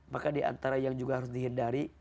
maka diantara yang juga harus dihindari